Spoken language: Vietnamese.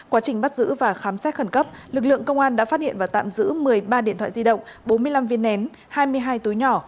quá trình bắt giữ và khám xét khẩn cấp lực lượng công an đã phát hiện và tạm giữ một mươi ba điện thoại di động bốn mươi năm viên nén hai mươi hai túi nhỏ